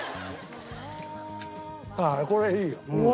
あっこれいいよ。